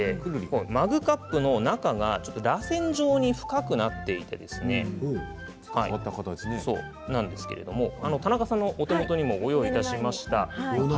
マグカップの中がらせん状に深くなっていて田中さんのお手元にもご用意しました。